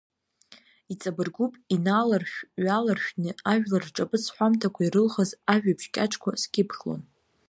Иҵабыргуп, иналаршә-ҩаларшәны ажәлар рҿаԥыц ҳәамҭақәа ирылхыз ажәабжь кьаҿқәа скьыԥхьлон.